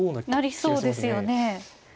なりそうですよね。